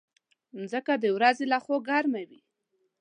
مځکه د ورځې له خوا ګرمه وي.